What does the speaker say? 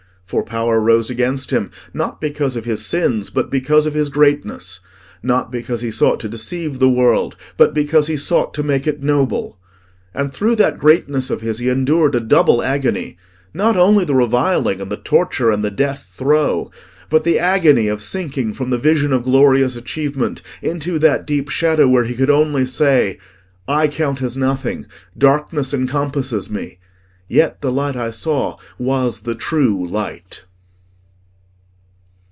For power rose against him not because of his sins, but because of his greatness—not because he sought to deceive the world, but because he sought to make it noble. And through that greatness of his he endured a double agony: not only the reviling, and the torture, and the death throe, but the agony of sinking from the vision of glorious achievement into that deep shadow where he could only say, "I count as nothing: darkness encompasses me: yet the light I saw was the true light."